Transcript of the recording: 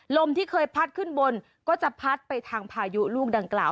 ลมที่เคยพัดขึ้นบนก็จะพัดไปทางพายุลูกดังกล่าว